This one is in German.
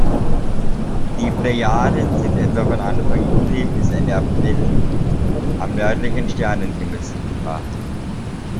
Die Plejaden sind etwa von Anfang Juli bis Ende April am nördlichen Sternhimmel sichtbar.